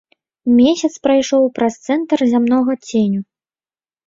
Месяц прайшоў праз цэнтр зямнога ценю.